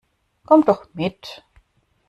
Komm doch mit!